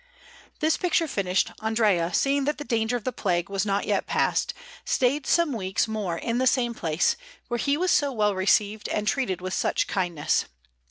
This picture finished, Andrea, seeing that the danger of the plague was not yet past, stayed some weeks more in the same place, where he was so well received and treated with such kindness.